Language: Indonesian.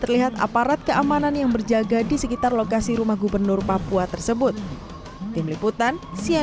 terlihat aparat keamanan yang berjaga di sekitar lokasi rumah gubernur papua tersebut tim liputan